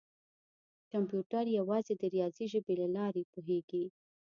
کمپیوټر یوازې د ریاضي ژبې له لارې پوهېږي.